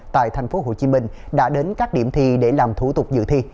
tại thành phố hồ chí minh đã đến các điểm thi để làm thủ tục dự thi